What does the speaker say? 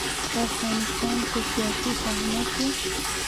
د افغانستان په سياسي صحنه کې.